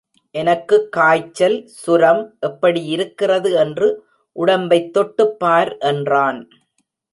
எனக்குக் காய்ச்சல், சுரம் எப்படியிருக்கிறது என்று உடம்பைத் தொட்டுப் பார் என்றான்.